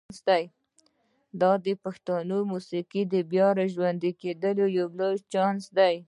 دا د پښتو موسیقۍ د بیا ژوندي کېدو لوی چانس دی.